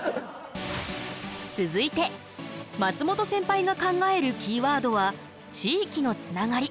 続いて松本センパイが考えるキーワードは「地域のつながり」。